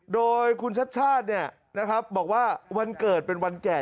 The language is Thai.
โดยคุณชัดชาติบอกว่าวันเกิดเป็นวันแก่